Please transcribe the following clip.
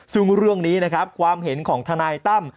ซึ่งเรื่องนี้นะครับความเห็นของทนายตั้ม